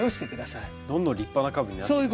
どんどん立派な株になってくんですね。